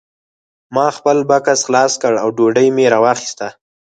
ما خپل بکس خلاص کړ او ډوډۍ مې راواخیسته